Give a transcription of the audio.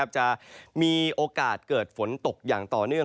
จะมีโอกาสเกิดฝนตกอย่างต่อเนื่อง